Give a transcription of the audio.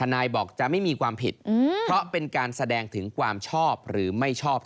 ไลค์ไม่ได้แปลว่าส่งต่อ